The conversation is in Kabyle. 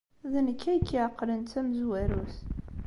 D nekk ay k-iɛeqlen d tamezwarut.